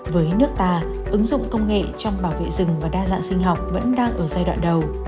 với nước ta ứng dụng công nghệ trong bảo vệ rừng và đa dạng sinh học vẫn đang ở giai đoạn đầu